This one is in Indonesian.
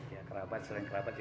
ya kerabat sering kerabat